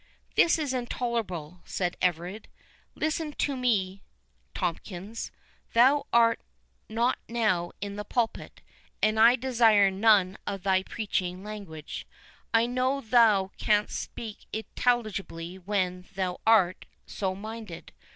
"This is intolerable," said Everard. "Listen to me, Tomkins. Thou art not now in the pulpit, and I desire none of thy preaching language. I know thou canst speak intelligibly when thou art so minded.